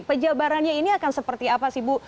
pejabarannya ini akan seperti apa sih bu